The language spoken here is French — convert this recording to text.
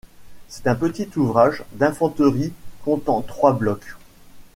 C'est un petit ouvrage d'infanterie comptant trois blocs.